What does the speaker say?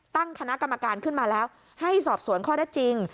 ตั้งคณะกรรมการขึ้นมาแล้วให้สอบสวนข้อได้จริง